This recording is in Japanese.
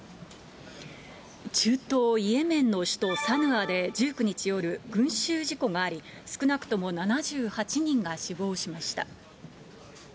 中東イエメンの首都サヌアで１９日夜、群衆事故があり、少なくとも７８人が死亡しました。